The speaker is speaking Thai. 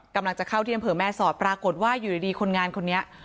กำลังจะเข้าที่อำเภอแม่สอดปรากฏว่าอยู่ดีคนงานคนนี้